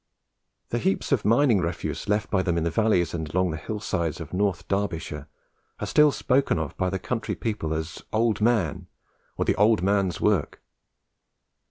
The heaps of mining refuse left by them in the valleys and along the hill sides of North Derbyshire are still spoken of by the country people as "old man," or the "old man's work."